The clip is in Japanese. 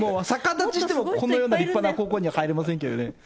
逆立ちしてもこのような立派な高校には入れませんけどね。